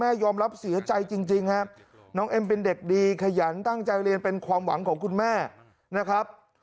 ยอมรับเสียใจจริงครับน้องเอ็มเป็นเด็กดีขยันตั้งใจเรียนเป็นความหวังของคุณแม่นะครับ